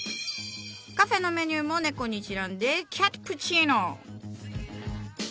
カフェのメニューも猫にちなんで「キャットプチーノ」。